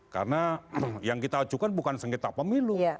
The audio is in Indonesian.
karena yang kita ajukan bukan sengketa pemilu